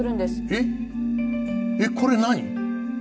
えっこれ何？